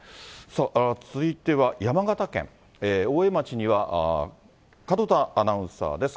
さあ、続いては山形県大江町には門田アナウンサーです。